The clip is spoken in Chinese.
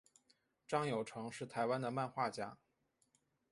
张友诚是台湾的漫画家。